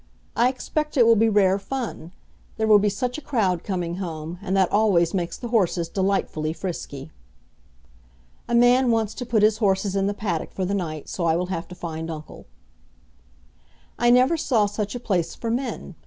I expect it will be rare fun. There will be such a crowd coming home, and that always makes the horses delightfully frisky. (A man wants to put his horses in the paddock for the night, so I will have to find uncle.) I never saw such a place for men.